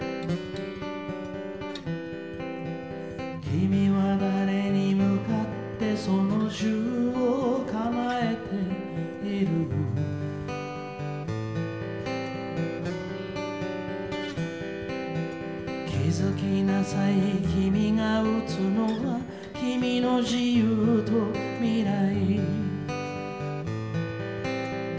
「君は誰に向かってその銃を構えているの」「気づきなさい君が撃つのは君の自由と未来」